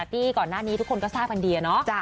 ตอนหน้าที่ทุกคนก็ทราบอันเดียวเนอะ